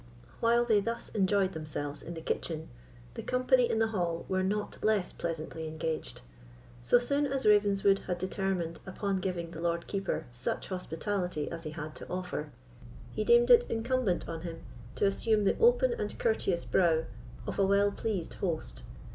While they thus enjoyed themselves in the kitchen, the company in the hall were not less pleasantly engaged. So soon as Ravenswood had determined upon giving the Lord Keeper such hospitality as he had to offer, he deemed it incumbent on him to assume the open and courteous brow of a well pleased host.